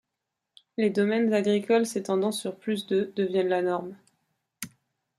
Les domaines agricoles s'étendant sur plus de deviennent la norme.